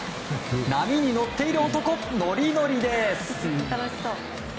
波に乗っている男ノリノリです。